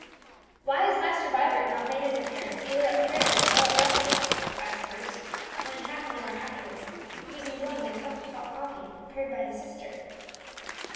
"Why has Master Vibert not made his appearance either at prayers or at breakfast?" asked Bruce, when, half an hour afterwards, he was enjoying the cup of hot coffee prepared by his sister.